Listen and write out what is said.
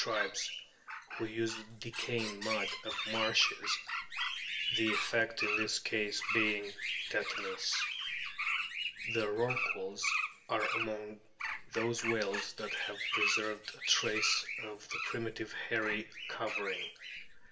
243. RORQUALS 151 tribes, who use the decaying mud of marshes the effect in this case being tetanus. The Rorquals are among those whales that have preserved a trace of the primitive hairy covering.